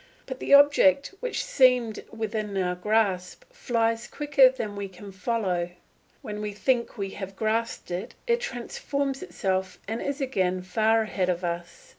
But the object which seemed within our grasp flies quicker than we can follow; when we think we have grasped it, it transforms itself and is again far ahead of us.